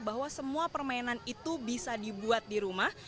bahwa semua permainan itu bisa dibuat di rumah